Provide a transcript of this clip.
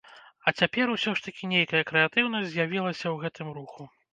А цяпер усё ж такі нейкая крэатыўнасць з'явілася ў гэтым руху.